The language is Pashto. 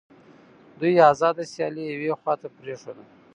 دوی آزاده سیالي یوې خواته پرېښوده